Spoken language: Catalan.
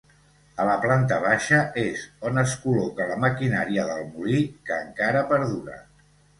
A la planta baixa és on es col·loca la maquinària del molí, que encara perdura.